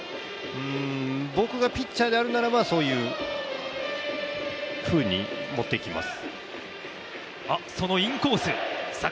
僕がピッチャーであるならばそういうふうに持って行きます。